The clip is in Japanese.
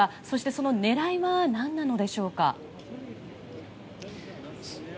そして、その狙いは何なのでしょうか？